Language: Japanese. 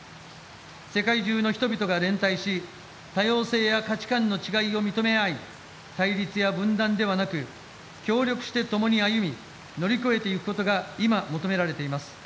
世界中の人々が連帯し多様性や価値観の違いを認め合い対立や分断ではなく協力して共に歩み乗り越えていくことが今、求められています。